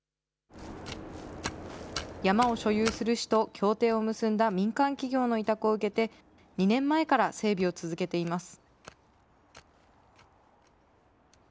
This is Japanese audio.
山を所有する市と協定を結んだ民間企業の委託を受けて、２年前から整備を続けています。